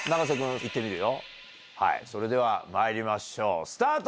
それではまいりましょうスタート！